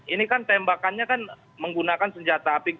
ini kan tembakannya kan menggunakan tembakan yang berbeda